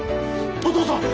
お父さん！